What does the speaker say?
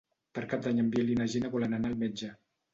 Per Cap d'Any en Biel i na Gina volen anar al metge.